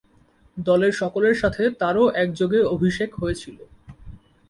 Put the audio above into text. দলের সকলের সাথে তারও একযোগে অভিষেক হয়েছিল।